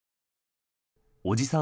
おぢさん